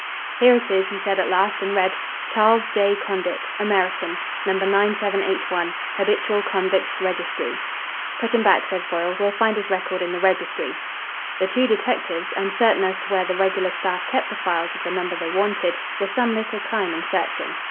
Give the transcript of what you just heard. "Here it is," he said at last and read: "Charles J. Condit. American. No. 9781 Habitual Convicts' Registry." "Put 'em back," said Foyle. "We'll find his record in the Registry." The two detectives, uncertain as to where the regular staff kept the files of the number they wanted, were some little time in searching.